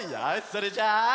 それじゃあ。